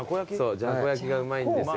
じゃこ焼きがうまいんですよ